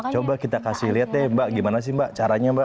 coba kita kasih lihat deh mbak gimana sih mbak caranya mbak